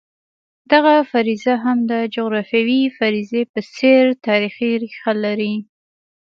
دغه فرضیه هم د جغرافیوي فرضیې په څېر تاریخي ریښه لري.